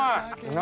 何？